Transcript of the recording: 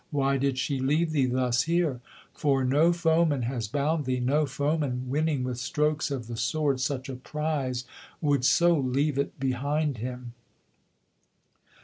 Why did she leave thee thus here? For no foeman has bound thee; no foeman Winning with strokes of the sword such a prize, would so leave it behind him.'